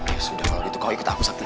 ya sudah kalau gitu kau ikut aku sabdi